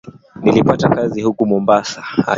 Nilipata kazi huku mombasa